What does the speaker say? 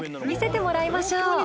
見せてもらいましょう。